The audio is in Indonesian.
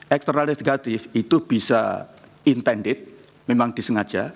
eksternalnya negatif itu bisa intended memang disengaja